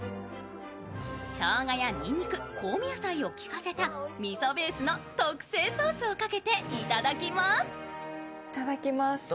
しょうがやにんにく、香味野菜を効かせたみそベースの特製ソースをかけて頂きます。